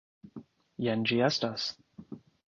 Jen ĝi estas.